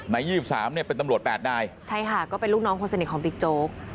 ๒๓เนี่ยเป็นตำรวจ๘นายใช่ค่ะก็เป็นลูกน้องคนสนิทของบิ๊กโจ๊ก